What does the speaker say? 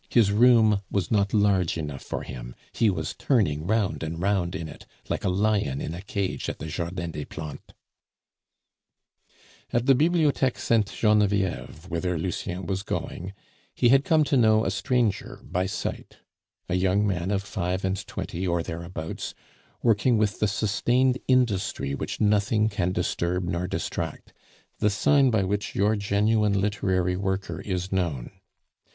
His room was not large enough for him; he was turning round and round in it like a lion in a cage at the Jardin des Plantes. At the Bibliotheque Saint Genevieve, whither Lucien was going, he had come to know a stranger by sight; a young man of five and twenty or thereabouts, working with the sustained industry which nothing can disturb nor distract, the sign by which your genuine literary worker is known.